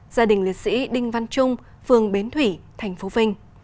gia đình liệt sĩ đinh văn trung phường bến thủy tp vinh